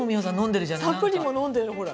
サプリも飲んでるのほら。